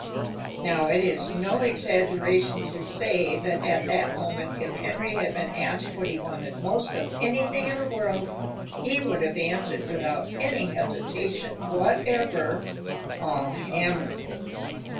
Now, it is no exaggeration to say that at that moment if Henry had been asked what he wanted most of anything in the world he would have answered without any hesitation whatever, "A hammer."